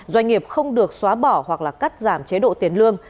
doanh nghiệp không được xóa bỏ hoặc là cắt giảm chế độ tiền lương